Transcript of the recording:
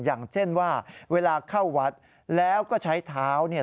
อย่างเช่นว่าเวลาเข้าวัดแล้วก็ใช้เท้าเนี่ย